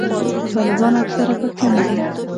طالبان اکثره پښتانه دي.